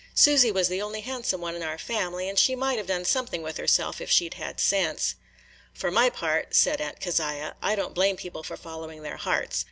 Susy was the only handsome one in our family, and she might have done something with herself if she 'd had sense." "For my part," said Aunt Keziah, "I can't blame people for following their hearts.